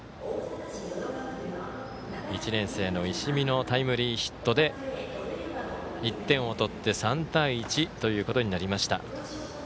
１年生の石見のタイムリーヒットで１点を取って３対１となりました。